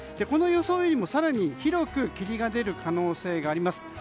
この予想よりも更に広く霧が出る可能性があります。